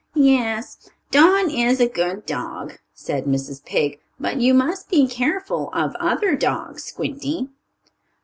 "Yes, Don is a good dog," said Mrs. Pig. "But you must be careful of other dogs, Squinty."